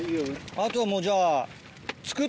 あとはもうじゃあ。